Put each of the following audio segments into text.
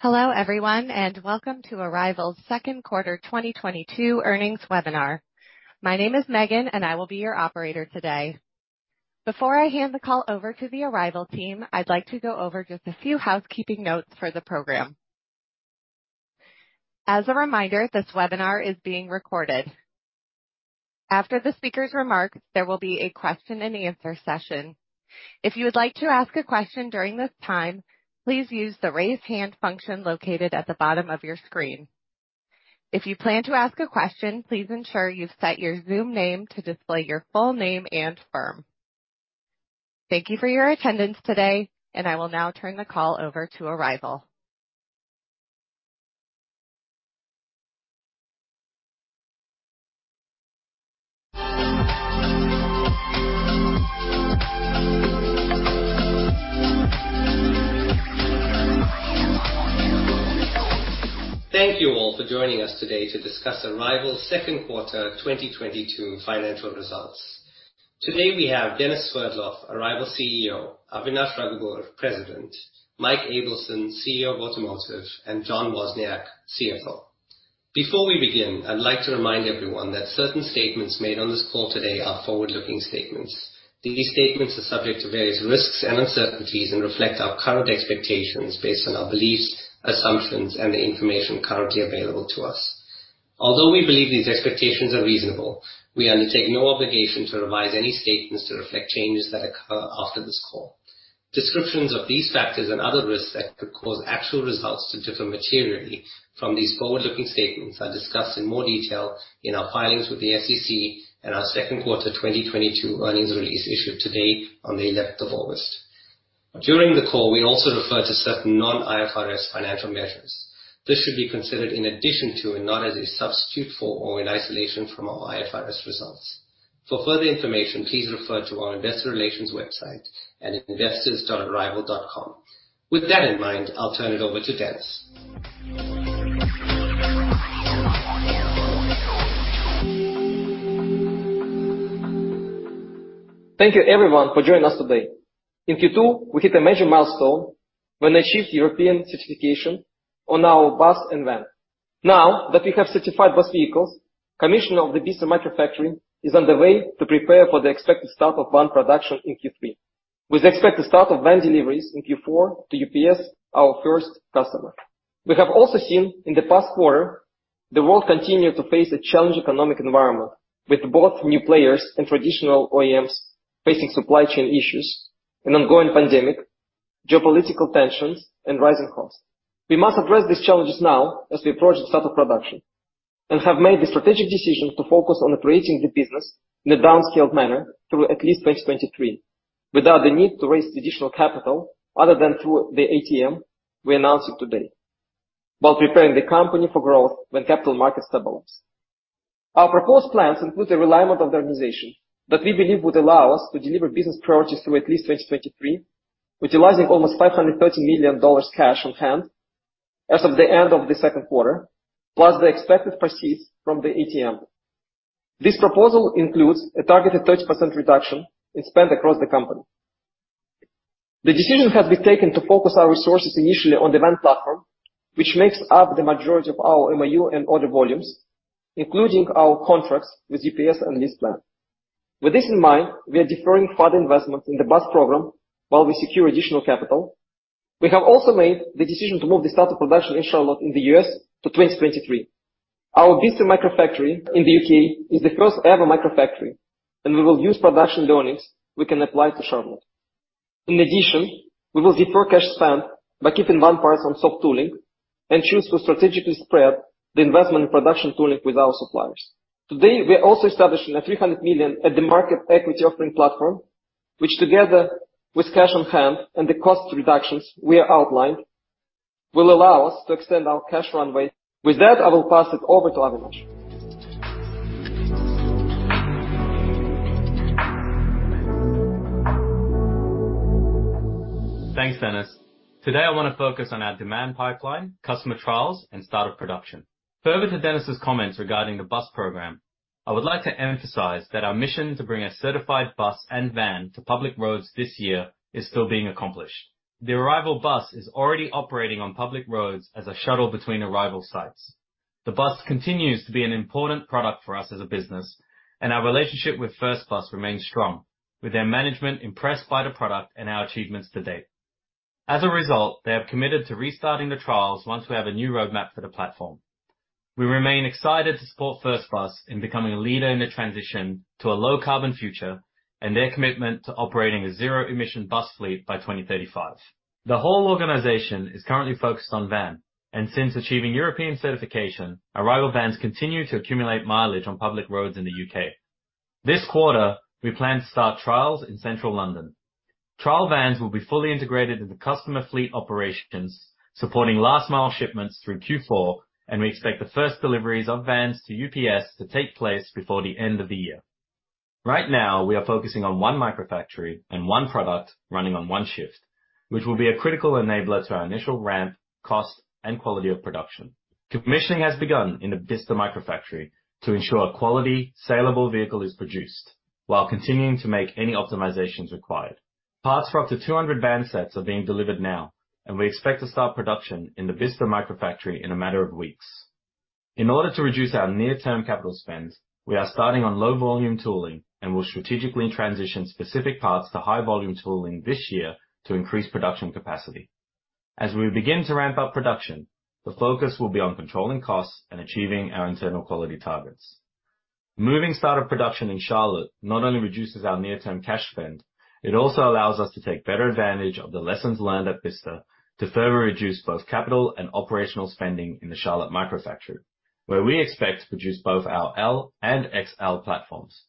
Hello, everyone, and welcome to Arrival's Second Quarter 2022 Earnings Webinar. My name is Megan, and I will be your operator today. Before I hand the call over to the Arrival team, I'd like to go over just a few housekeeping notes for the program. As a reminder, this webinar is being recorded. After the speaker's remarks, there will be a question-and-answer session. If you would like to ask a question during this time, please use the Raise Hand function located at the bottom of your screen. If you plan to ask a question, please ensure you've set your Zoom name to display your full name and firm. Thank you for your attendance today, and I will now turn the call over to Arrival. Thank you all for joining us today to discuss Arrival's second quarter 2022 financial results. Today, we have Denis Sverdlov, Arrival CEO, Avinash Rugoobur, President, Mike Ableson, CEO of Automotive, and John Wozniak, CFO. Before we begin, I'd like to remind everyone that certain statements made on this call today are forward-looking statements. These statements are subject to various risks and uncertainties and reflect our current expectations based on our beliefs, assumptions, and the information currently available to us. Although we believe these expectations are reasonable, we undertake no obligation to revise any statements to reflect changes that occur after this call. Descriptions of these factors and other risks that could cause actual results to differ materially from these forward-looking statements are discussed in more detail in our filings with the SEC and our second quarter 2022 earnings release issued today on the 11th of August. During the call, we also refer to certain non-IFRS financial measures. This should be considered in addition to and not as a substitute for or in isolation from our IFRS results. For further information, please refer to our Investor Relations website at investors.arrival.com. With that in mind, I'll turn it over to Denis. Thank you everyone for joining us today. In Q2, we hit a major milestone when we achieved European certification on our bus and van. Now that we have certified bus vehicles, commission of the Bicester Microfactory is underway to prepare for the expected start of van production in Q3. We expect the start of van deliveries in Q4 to UPS, our first customer. We have also seen, in the past quarter, the world continued to face a challenging economic environment with both new players and traditional OEMs facing supply chain issues, an ongoing pandemic, geopolitical tensions, and rising costs. We must address these challenges now as we approach the start of production and have made the strategic decision to focus on operating the business in a downscaled manner through at least 2023 without the need to raise additional capital other than through the ATM we're announcing today, while preparing the company for growth when capital markets stabilize. Our proposed plans include the realignment of the organization that we believe would allow us to deliver business priorities through at least 2023, utilizing almost $530 million cash on hand as of the end of the second quarter, plus the expected proceeds from the ATM. This proposal includes a targeted 30% reduction in spend across the company. The decision has been taken to focus our resources initially on the van platform, which makes up the majority of our MOU and order volumes, including our contracts with UPS and LeasePlan. With this in mind, we are deferring further investments in the bus program while we secure additional capital. We have also made the decision to move the start of production in Charlotte in the U.S. to 2023. Our Bicester Microfactory in the U.K. is the first ever Microfactory, and we will use production learnings we can apply to Charlotte. In addition, we will defer cash spend by keeping van parts on soft tooling and choose to strategically spread the investment in production tooling with our suppliers. Today, we are also establishing a $300 million at-the-market equity offering platform, which together with cash on hand and the cost reductions we have outlined, will allow us to extend our cash runway. With that, I will pass it over to Avinash. Thanks, Denis. Today, I wanna focus on our demand pipeline, customer trials, and start of production. Further to Denis's comments regarding the bus program, I would like to emphasize that our mission to bring a certified bus and van to public roads this year is still being accomplished. The Arrival bus is already operating on public roads as a shuttle between Arrival sites. The bus continues to be an important product for us as a business, and our relationship with First Bus remains strong, with their management impressed by the product and our achievements to date. As a result, they have committed to restarting the trials once we have a new roadmap for the platform. We remain excited to support First Bus in becoming a leader in the transition to a low carbon future and their commitment to operating a zero-emission bus fleet by 2035. The whole organization is currently focused on van, and since achieving European certification, Arrival vans continue to accumulate mileage on public roads in the UK. This quarter, we plan to start trials in Central London. Trial vans will be fully integrated into customer fleet operations, supporting last mile shipments through Q4, and we expect the first deliveries of vans to UPS to take place before the end of the year. Right now, we are focusing on one Microfactory and one product running on one shift, which will be a critical enabler to our initial ramp, cost, and quality of production. Commissioning has begun in the Bicester Microfactory to ensure a quality, saleable vehicle is produced. While continuing to make any optimizations required. Parts for up to 200 van sets are being delivered now, and we expect to start production in the Bicester Microfactory in a matter of weeks. In order to reduce our near-term capital spends, we are starting on low volume tooling and will strategically transition specific parts to high volume tooling this year to increase production capacity. As we begin to ramp up production, the focus will be on controlling costs and achieving our internal quality targets. Moving start of production in Charlotte not only reduces our near-term cash spend, it also allows us to take better advantage of the lessons learned at Bicester to further reduce both capital and operational spending in the Charlotte Microfactory, where we expect to produce both our L and XL platforms.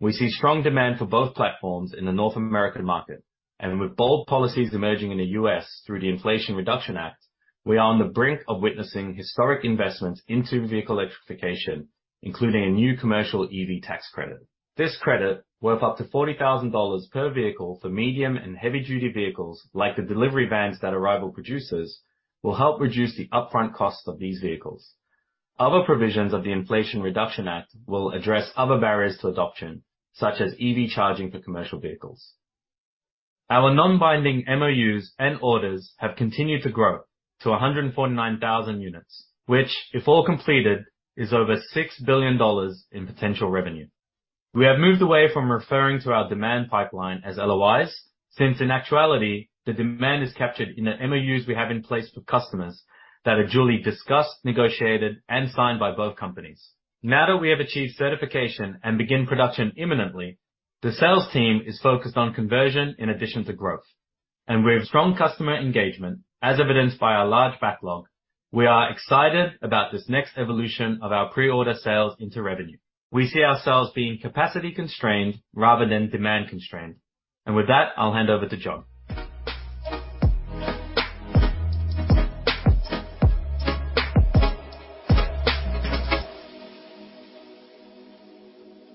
We see strong demand for both platforms in the North American market. With bold policies emerging in the US through the Inflation Reduction Act, we are on the brink of witnessing historic investments into vehicle electrification, including a new commercial EV tax credit. This credit, worth up to $40,000 per vehicle for medium and heavy-duty vehicles, like the delivery vans that Arrival produces, will help reduce the upfront cost of these vehicles. Other provisions of the Inflation Reduction Act will address other barriers to adoption, such as EV charging for commercial vehicles. Our non-binding MOUs and orders have continued to grow to 149,000 units, which, if all completed, is over $6 billion in potential revenue. We have moved away from referring to our demand pipeline as LOIs, since in actuality, the demand is captured in the MOUs we have in place for customers that are duly discussed, negotiated, and signed by both companies. Now that we have achieved certification and begin production imminently, the sales team is focused on conversion in addition to growth. With strong customer engagement, as evidenced by our large backlog, we are excited about this next evolution of our pre-order sales into revenue. We see ourselves being capacity constrained rather than demand constrained. With that, I'll hand over to John.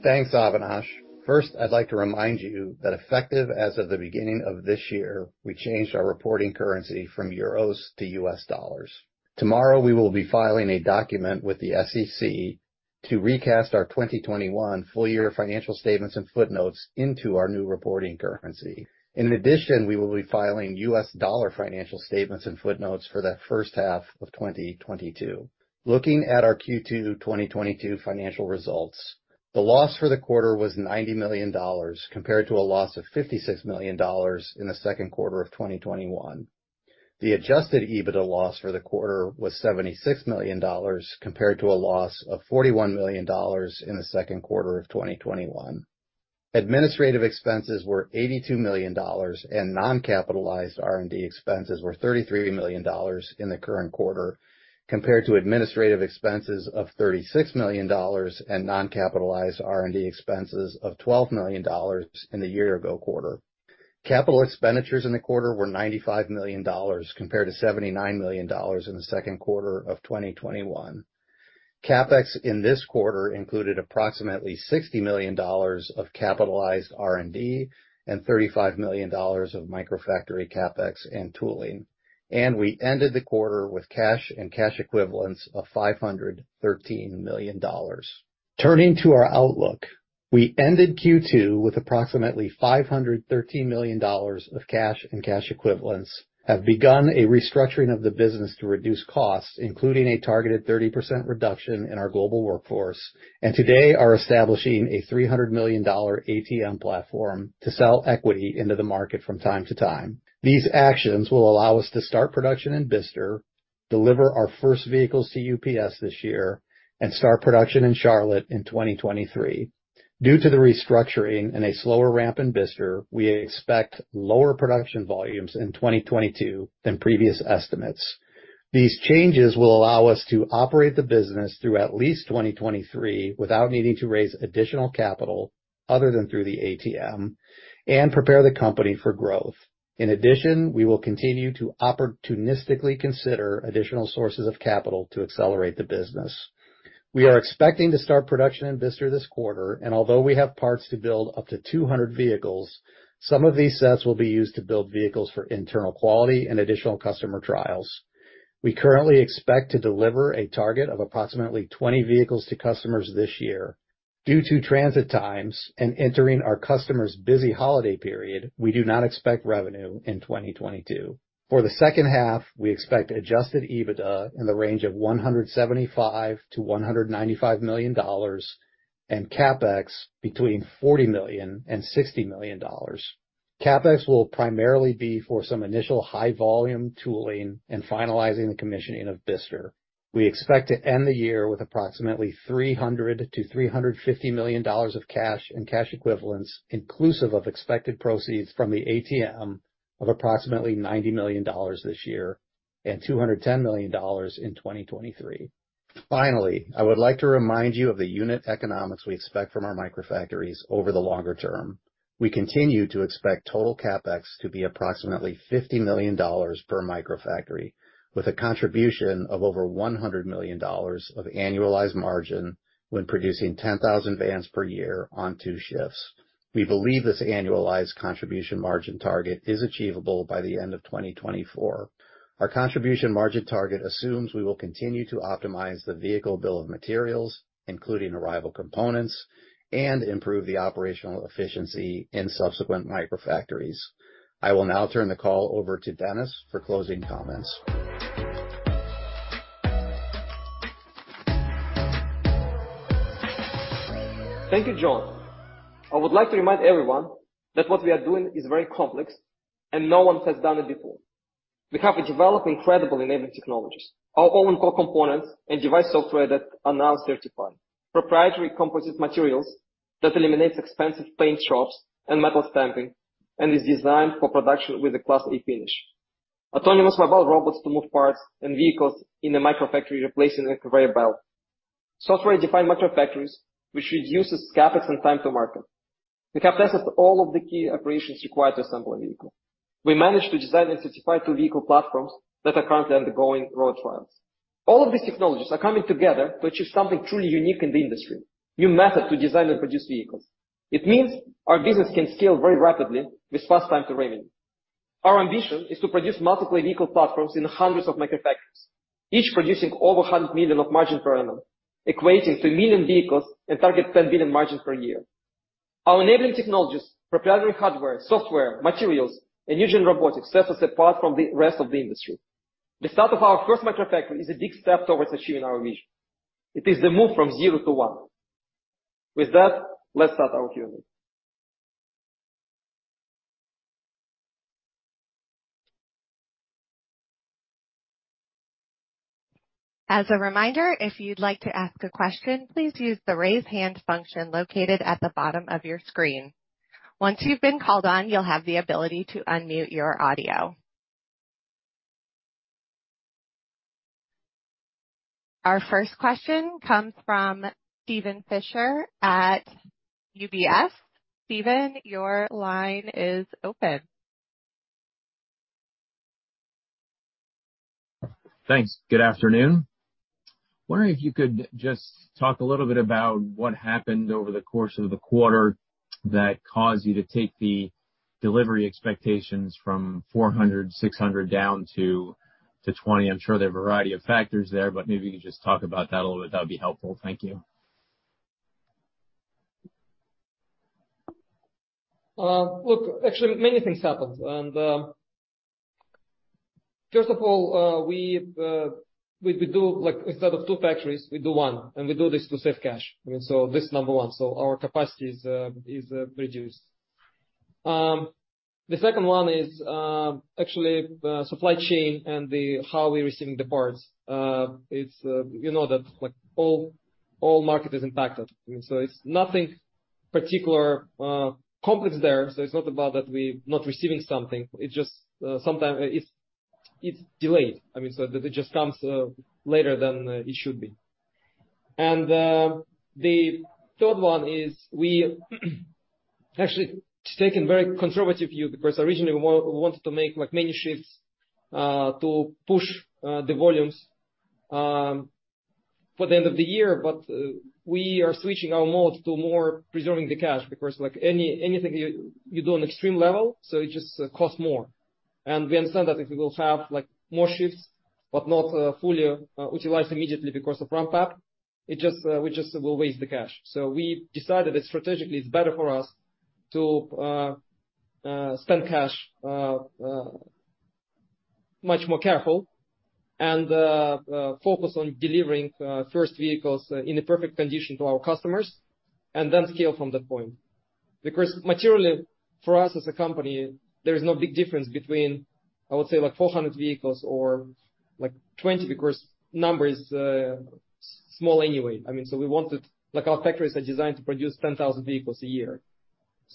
Thanks, Avinash. First, I'd like to remind you that effective as of the beginning of this year, we changed our reporting currency from euros to US dollars. Tomorrow, we will be filing a document with the SEC to recast our 2021 full year financial statements and footnotes into our new reporting currency. In addition, we will be filing US dollar financial statements and footnotes for that first half of 2022. Looking at our Q2 2022 financial results, the loss for the quarter was $90 million, compared to a loss of $56 million in the second quarter of 2021. The Adjusted EBITDA loss for the quarter was $76 million, compared to a loss of $41 million in the second quarter of 2021. Administrative expenses were $82 million, and non-capitalized R&D expenses were $33 million in the current quarter, compared to administrative expenses of $36 million and non-capitalized R&D expenses of $12 million in the year ago quarter. Capital expenditures in the quarter were $95 million, compared to $79 million in the second quarter of 2021. CapEx in this quarter included approximately $60 million of capitalized R&D and $35 million of Microfactory CapEx and tooling. We ended the quarter with cash and cash equivalents of $513 million. Turning to our outlook, we ended Q2 with approximately $513 million of cash and cash equivalents, have begun a restructuring of the business to reduce costs, including a targeted 30% reduction in our global workforce, and today are establishing a $300 million ATM platform to sell equity into the market from time to time. These actions will allow us to start production in Bicester, deliver our first vehicles to UPS this year, and start production in Charlotte in 2023. Due to the restructuring and a slower ramp in Bicester, we expect lower production volumes in 2022 than previous estimates. These changes will allow us to operate the business through at least 2023 without needing to raise additional capital other than through the ATM and prepare the company for growth. In addition, we will continue to opportunistically consider additional sources of capital to accelerate the business. We are expecting to start production in Bicester this quarter, and although we have parts to build up to 200 vehicles, some of these sets will be used to build vehicles for internal quality and additional customer trials. We currently expect to deliver a target of approximately 20 vehicles to customers this year. Due to transit times and entering our customers' busy holiday period, we do not expect revenue in 2022. For the second half, we expect Adjusted EBITDA in the range of $175 million-$195 million, and CapEx between $40 million and $60 million. CapEx will primarily be for some initial high-volume tooling and finalizing the commissioning of Bicester. We expect to end the year with approximately $300-$350 million of cash and cash equivalents, inclusive of expected proceeds from the ATM of approximately $90 million this year and $210 million in 2023. Finally, I would like to remind you of the unit economics we expect from our Microfactories over the longer term. We continue to expect total CapEx to be approximately $50 million per Microfactory, with a contribution of over $100 million of annualized margin when producing 10,000 vans per year on two shifts. We believe this annualized contribution margin target is achievable by the end of 2024. Our contribution margin target assumes we will continue to optimize the vehicle bill of materials, including Arrival components, and improve the operational efficiency in subsequent Microfactories. I will now turn the call over to Denis for closing comments. Thank you, John. I would like to remind everyone that what we are doing is very complex and no one has done it before. We have developed incredible enabling technologies, our own core components and device software that are now certified. Proprietary composite materials that eliminates expensive paint shops and metal stamping, and is designed for production with a class A finish. Autonomous mobile robots to move parts and vehicles in a Microfactory replacing a conveyor belt. Software-defined Microfactories, which reduces CapEx and time to market. We've captured all of the key operations required to assemble a vehicle. We managed to design and certify two vehicle platforms that are currently undergoing road trials. All of these technologies are coming together to achieve something truly unique in the industry. New method to design and produce vehicles. It means our business can scale very rapidly with fast time to revenue. Our ambition is to produce multiple vehicle platforms in hundreds of Microfactories, each producing over $100 million of margin per annum, equating to 1 million vehicles and target $10 billion margins per year. Our enabling technologies, proprietary hardware, software, materials, and engine robotics sets us apart from the rest of the industry. The start of our first Microfactory is a big step towards achieving our vision. It is the move from zero to one. With that, let's start our Q&A. As a reminder, if you'd like to ask a question, please use the Raise Hand function located at the bottom of your screen. Once you've been called on, you'll have the ability to unmute your audio. Our first question comes from Steven Fisher at UBS. Steven, your line is open. Thanks. Good afternoon. Wondering if you could just talk a little bit about what happened over the course of the quarter that caused you to take the delivery expectations from 400, 600 down to 20. I'm sure there are a variety of factors there, but maybe you could just talk about that a little bit. That would be helpful. Thank you. Look, actually many things happened. First of all, we do like instead of two factories, we do one, and we do this to save cash. I mean, this is number one. Our capacity is reduced. The second one is actually the supply chain and the how we're receiving the parts. It's you know, that, like, all market is impacted. I mean, it's nothing particular, complex there. It's not about that we're not receiving something. It's just sometime it's delayed. I mean, it just comes later than it should be. The third one is we actually taken very conservative view, because originally we wanted to make, like, many shifts to push the volumes for the end of the year. We are switching our modes to more preserving the cash because, like anything you do on extreme level, so it just costs more. We understand that if we will have, like, more shifts, but not fully utilized immediately because of ramp up, it just we will waste the cash. We decided that strategically it's better for us to spend cash much more carefully and focus on delivering first vehicles in a perfect condition to our customers and then scale from that point. Because materially for us as a company, there is no big difference between, I would say, like, 400 vehicles or, like, 20 because number is small anyway. I mean, like, our factories are designed to produce 10,000 vehicles a year.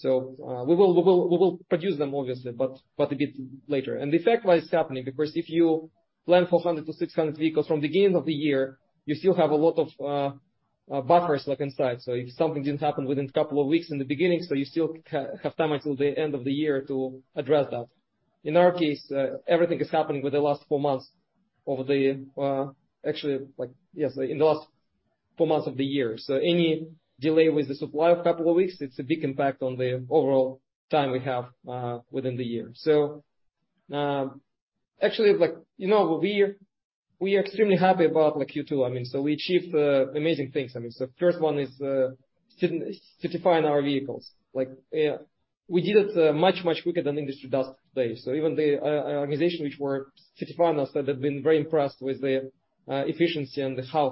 We will produce them obviously, but a bit later. The effect, why it's happening, because if you plan 400-600 vehicles from the beginning of the year, you still have a lot of buffers, like, inside. If something didn't happen within a couple of weeks in the beginning, so you still have time until the end of the year to address that. In our case, everything is happening within the last four months of the year. Actually, like, yes, in the last four months of the year. Any delay with the supply of couple of weeks, it's a big impact on the overall time we have within the year. Actually, like, you know, we're extremely happy about, like, Q2. I mean, so we achieved amazing things. I mean, first one is certifying our vehicles. Like, we did it much quicker than industry does today. Even the organization which were certifying us, they've been very impressed with the efficiency and how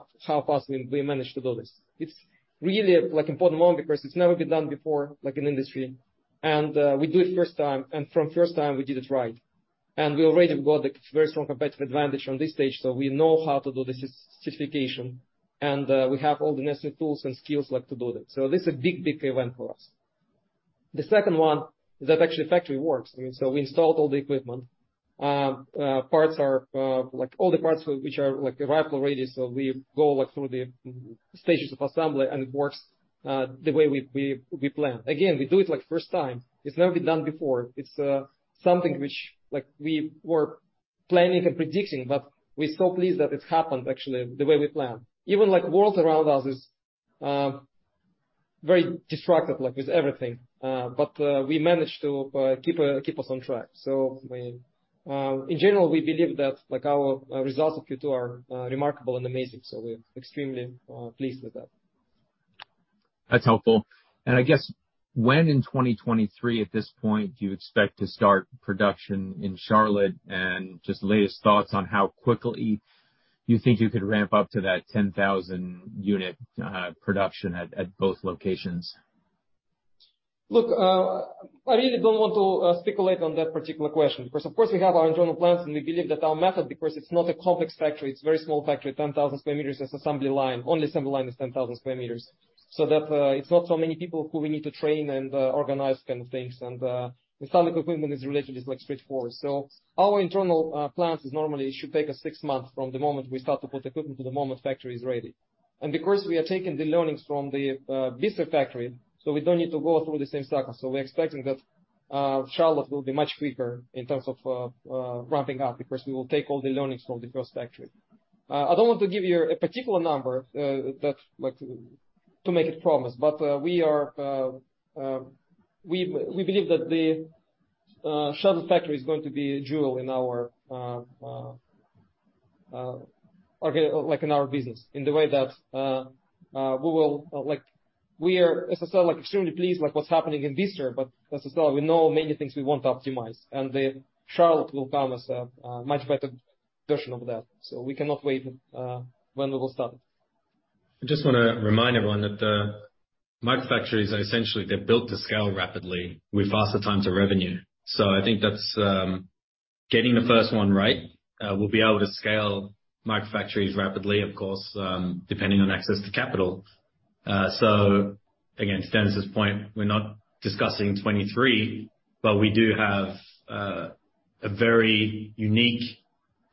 fast we managed to do this. It's really like important moment because it's never been done before like in industry. We do it first time, and from first time we did it right. We already got a very strong competitive advantage on this stage, so we know how to do the certification, and we have all the necessary tools and skills like to do that. This is a big event for us. The second one is that the factory actually works. I mean, we installed all the equipment. Parts are, like, all the parts which are, like, Arrival ready. We go, like, through the M-stages of assembly and it works the way we plan. Again, we do it like first time. It's never been done before. It's something which, like, we were planning and predicting, but we're so pleased that it's happened actually the way we planned. Even like world around us is very disruptive, like, with everything. But we managed to keep us on track. I mean, in general, we believe that, like, our results of Q2 are remarkable and amazing, so we're extremely pleased with that. That's helpful. I guess when in 2023 at this point do you expect to start production in Charlotte? Just latest thoughts on how quickly you think you could ramp up to that 10,000-unit production at both locations. Look, I really don't want to speculate on that particular question because of course we have our internal plans, and we believe that our method, because it's not a complex factory, it's very small factory, 10,000 square meters as assembly line. Only assembly line is 10,000 square meters. That, it's not so many people who we need to train and organize kind of things. The standard equipment is related, it's like straightforward. Our internal plans is normally it should take us six months from the moment we start to put equipment to the moment factory is ready. Because we are taking the learnings from the Bicester factory, so we don't need to go through the same cycle. We're expecting that Charlotte will be much quicker in terms of ramping up, because we will take all the learnings from the first factory. I don't want to give you a particular number that's like to make a promise, but we believe that the Charlotte factory is going to be a jewel in our crown like in our business. We are as a seller like extremely pleased with what's happening in Bicester, but as a seller, we know many things we want to optimize. The Charlotte will come as a much better version of that. We cannot wait when we will start. I just wanna remind everyone that the Microfactories are essentially, they're built to scale rapidly with faster time to revenue. I think that's getting the first one right, we'll be able to scale Microfactories rapidly, of course, depending on access to capital. Again, to Denis' point, we're not discussing 2023, but we do have a very unique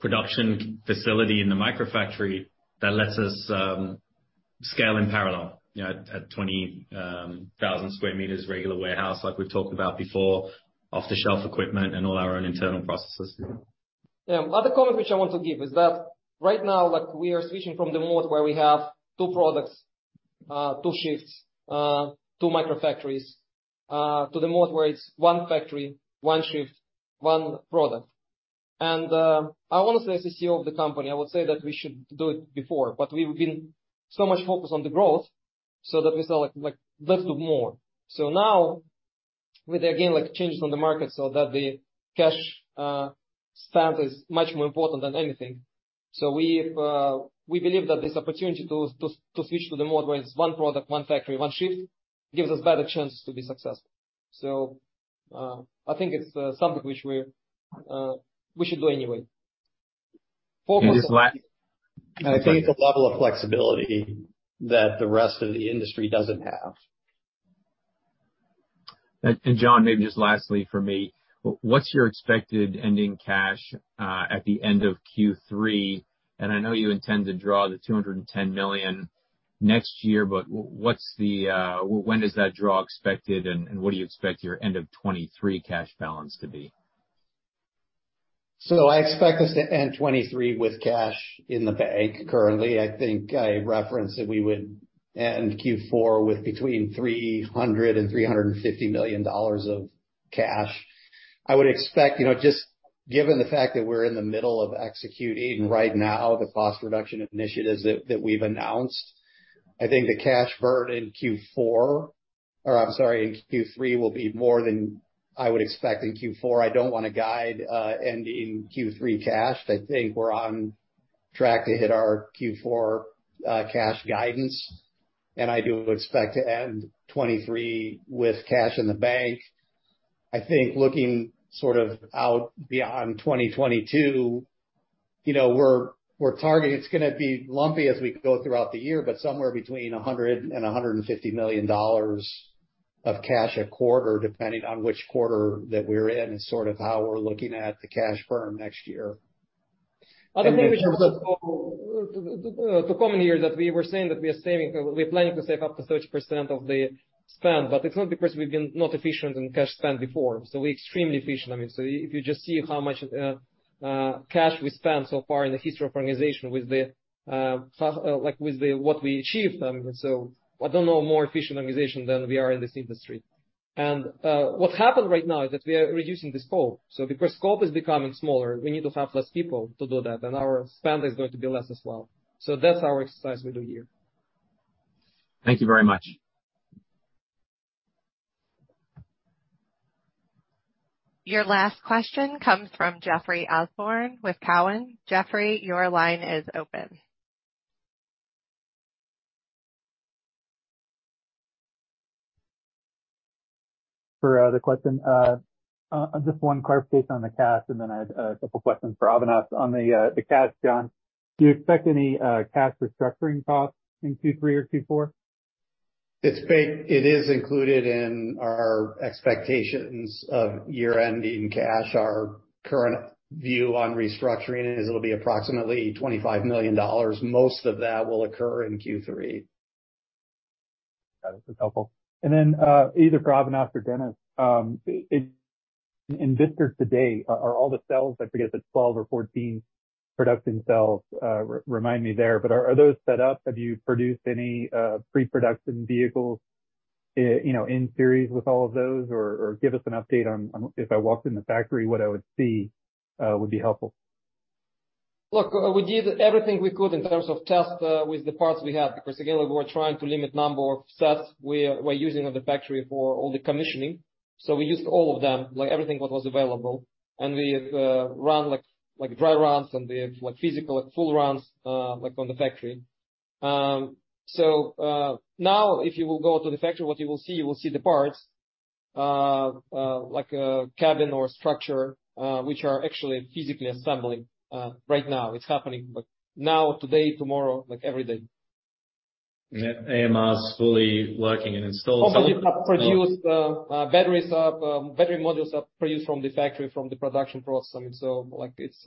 production facility in the Microfactory that lets us scale in parallel. You know, at 20,000 square meters regular warehouse like we've talked about before, off the shelf equipment and all our own internal processes. Yeah. Other comment which I want to give is that right now, like we are switching from the mode where we have two products, two shifts, two microfactories, to the mode where it's one factory, one shift, one product. I wanna say as the CEO of the company, I would say that we should do it before, but we've been so much focused on the growth so that we sell like less but more. Now with, again, like changes on the market so that the cash spend is much more important than anything. We believe that this opportunity to switch to the mode where it's one product, one factory, one shift gives us better chance to be successful. I think it's something which we should do anyway. Just last- I think it's a level of flexibility that the rest of the industry doesn't have. John, maybe just lastly from me, what's your expected ending cash at the end of Q3? I know you intend to draw the $210 million next year, but when is that draw expected, and what do you expect your end of 2023 cash balance to be? I expect us to end 2023 with cash in the bank currently. I think I referenced that we would end Q4 with between $300-$350 million of cash. I would expect, you know, just given the fact that we're in the middle of executing right now the cost reduction initiatives that we've announced, I think the cash burn in Q3 will be more than I would expect in Q4. I don't wanna guide ending Q3 cash. I think we're on track to hit our Q4 cash guidance, and I do expect to end 2023 with cash in the bank. I think looking sort of out beyond 2022, you know, we're targeting. It's gonna be lumpy as we go throughout the year, but somewhere between $100 million and $150 million of cash a quarter, depending on which quarter that we're in, is sort of how we're looking at the cash burn next year. I think maybe just to comment here that we were saying that we are saving, we're planning to save up to 30% of the spend, but it's not because we've been not efficient in cash spend before. We're extremely efficient. I mean, if you just see how much cash we spent so far in the history of our organization with the, like with the, what we achieved. I don't know a more efficient organization than we are in this industry. What happened right now is that we are reducing the scope. Because scope is becoming smaller, we need to have less people to do that, and our spend is going to be less as well. That's our exercise we do here. Thank you very much. Your last question comes from Jeffrey Osborne with Cowen. Jeffrey, your line is open. Just one clarification on the cash, and then I have a couple questions for Avinash. On the cash, John, do you expect any cash restructuring costs in Q3 or Q4? It is included in our expectations of year-ending cash. Our current view on restructuring is it'll be approximately $25 million. Most of that will occur in Q3. Got it. That's helpful. Then, either for Avinash or Denis. In Bicester today, are all the cells, I forget if it's 12 or 14 production cells, remind me there. Are those set up? Have you produced any pre-production vehicles, you know, in series with all of those? Or give us an update on if I walked in the factory, what I would see would be helpful. Look, we did everything we could in terms of test, with the parts we had. Because again, like, we're trying to limit number of tests we're using at the factory for all the commissioning. We used all of them, like everything what was available. We run like dry runs and the like physical, like full runs, like on the factory. Now if you will go to the factory, what you will see, you will see the parts, like, cabin or structure, which are actually physically assembling, right now. It's happening like now, today, tomorrow, like every day. AMR is fully working and installed. Battery modules are produced from the factory, from the production process. I mean, like, it's.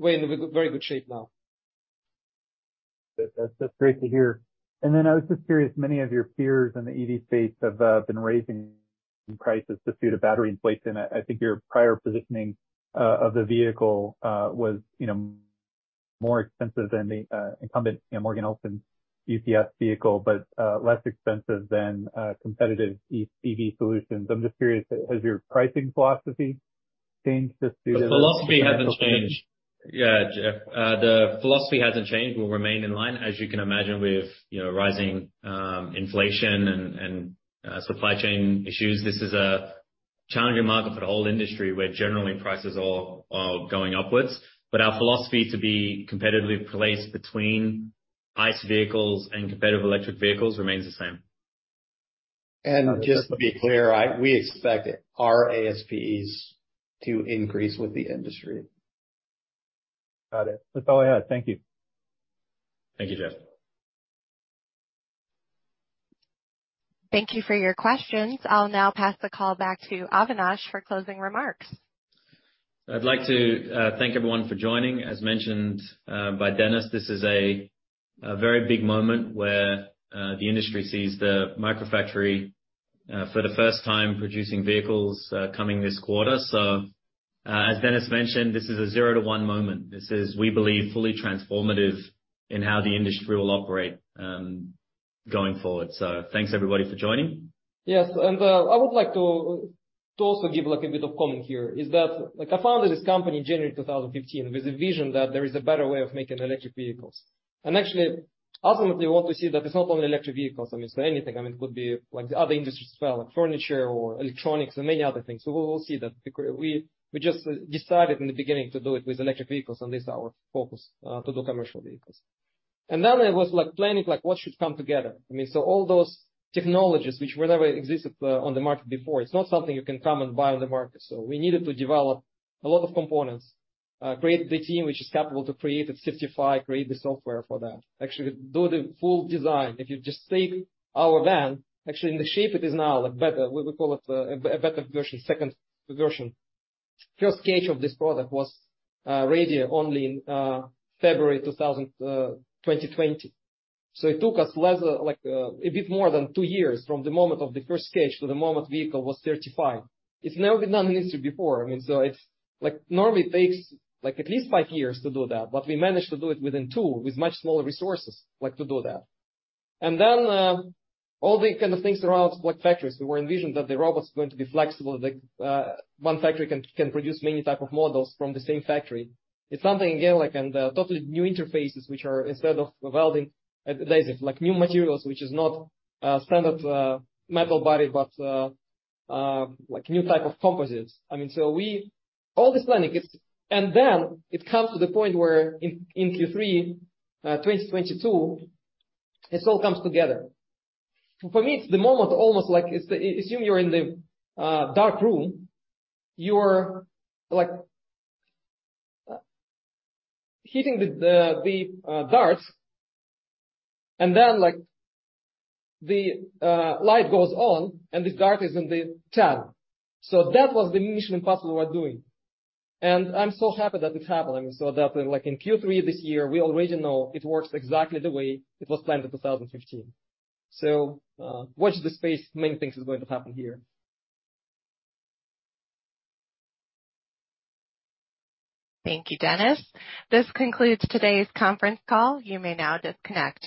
We're in a very good shape now. That's great to hear. I was just curious, many of your peers in the EV space have been raising prices due to battery inflation. I think your prior positioning of the vehicle was, you know, more expensive than the incumbent, you know, Morgan Olson USPS vehicle, but less expensive than competitive EV solutions. I'm just curious, has your pricing philosophy changed just due to the, The philosophy hasn't changed. Yeah, Jeff, the philosophy hasn't changed. We'll remain in line. As you can imagine with, you know, rising, inflation and, supply chain issues, this is a challenging market for the whole industry, where generally prices are going upwards. Our philosophy to be competitively placed between ICE vehicles and competitive electric vehicles remains the same. Just to be clear, we expect our ASPs to increase with the industry. Got it. That's all I had. Thank you. Thank you, Jeff. Thank you for your questions. I'll now pass the call back to Avinash for closing remarks. I'd like to thank everyone for joining. As mentioned by Denis, this is a very big moment where the industry sees the Microfactory for the first time producing vehicles coming this quarter. As Denis mentioned, this is a zero to one moment. This is, we believe, fully transformative in how the industry will operate going forward. Thanks everybody for joining. Yes, I would like to also give like a bit of comment here, is that, like I founded this company in January 2015 with a vision that there is a better way of making electric vehicles. Actually, ultimately we want to see that it's not only electric vehicles. I mean, so anything. I mean, it could be like the other industries as well, like furniture or electronics and many other things. We will see that. We just decided in the beginning to do it with electric vehicles, and this is our focus to do commercial vehicles. Then there was like planning, like what should come together. I mean, all those technologies which were never existed on the market before. It's not something you can come and buy on the market. We needed to develop a lot of components. Create the team which is capable to create it certified, create the software for that. Actually do the full design. If you just take our van, actually in the shape it is now, like better, we would call it, a better version, second version. First stage of this product was ready only in February 2020. It took us less, like, a bit more than two years from the moment of the first stage to the moment vehicle was certified. It's never been done in industry before. I mean, it's, like, normally it takes like at least five years to do that, but we managed to do it within two with much smaller resources, like, to do that. All the kind of things around like factories. We were envisioned that the robots going to be flexible, like, one factory can produce many type of models from the same factory. It's something, again, like totally new interfaces which are instead of welding lasers. Like new materials, which is not standard metal body, but like new type of composites. I mean, all this planning, it's. Then it comes to the point where in Q3 2022, this all comes together. For me, it's the moment almost like it's the. Assume you're in the dark room. You're like hitting the darts, and then, like the light goes on, and this dart is in the 10. That was the mission impossible we're doing. I'm so happy that it happened. I mean, that like in Q3 this year, we already know it works exactly the way it was planned in 2015. Watch this space. Many things is going to happen here. Thank you, Denis. This concludes today's conference call. You may now disconnect.